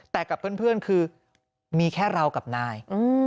แต่กับเพื่อนคือมีแค่เรากับนาย